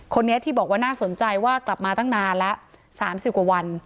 คนนี้ที่บอกว่าน่าสนใจว่ากลับมาตั้งนานแล้ว๓๐กว่าวัน